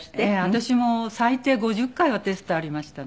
私も最低５０回はテストありましたね。